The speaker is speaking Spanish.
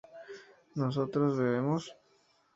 ¿nosotros bebemos?